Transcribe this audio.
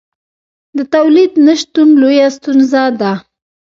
د تولید نشتون لویه ستونزه ده.